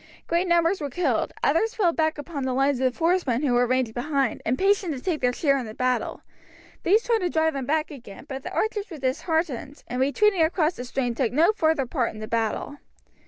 Great numbers were killed, others fell back upon the lines of horsemen who were ranged behind, impatient to take their share in the battle; these tried to drive them back again, but the archers were disheartened, and retreating across the stream took no further part in the battle.